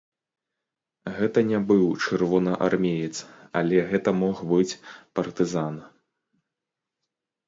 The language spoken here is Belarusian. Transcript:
Гэта не быў чырвонаармеец, але гэта мог быць партызан.